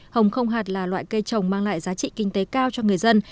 hồng không hạt là loại cây trồng mang lại giá trị kinh tế cao cho người dân